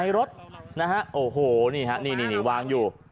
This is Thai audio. รถนะฮะโอ้โหนี่ฮะนี่วางอยู่